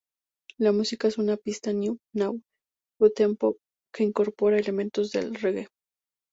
La música es una pista "new wave uptempo" que incorpora elementos del "reggae".